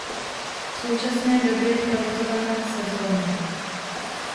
V současné době je provozovaná sezónně.